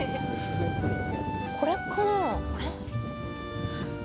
これかなあ。